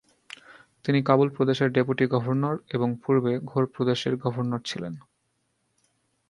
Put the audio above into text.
তিনি কাবুল প্রদেশের deputy governor এবং পূর্বে ঘোর প্রদেশের গভর্নর ছিলেন।